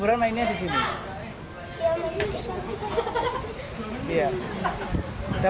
ya mainnya di sana